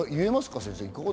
先生。